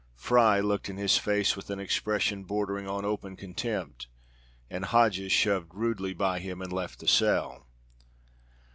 Fry looked in his face with an expression bordering on open contempt, and Hodges shoved rudely by him and left the cell.